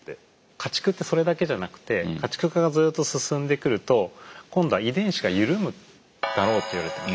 家畜ってそれだけじゃなくて家畜化がずっと進んでくると今度は遺伝子が緩むだろうっていわれています。